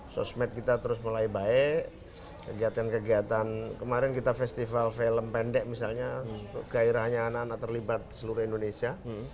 sosmed kita terus mulai baik kegiatan kegiatan kemarin kita festival film pendek misalnya gairahnya anak anak terlibat seluruh indonesia